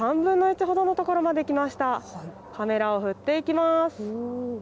カメラを振っていきます。